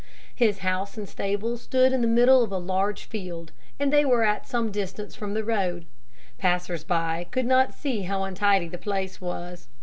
His house and stable stood in the middle of a large field, and they were at some distance from the road. Passers by could not see how untidy the place was.